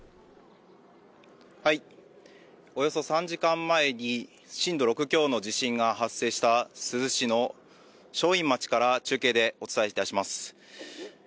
およそ３時間前に震度６強の地震が発生した珠洲市の正院町から中継でお伝えします。